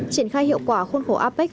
triển khai hiệu quả khôn khổ apec